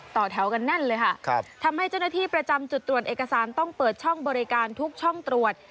ต่อแถวกันแน่นเลยค่ะครับทำให้เจ้าหน้าที่ประจำจุดตรวจเอกสารต้องเปิดช่องบริการทุกช่องตรวจ